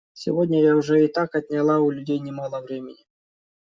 Сегодня я уже и так отняла у людей немало времени.